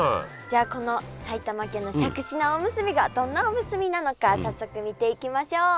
じゃこの埼玉県のしゃくし菜おむすびがどんなおむすびなのか早速見ていきましょう。